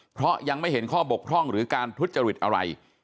เพราะยังไม่เห็นข้อบกพร่องหรือการทุจริตอะไร